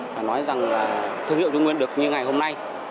phải nói rằng là thương hiệu trung nguyên được như ngày hôm nay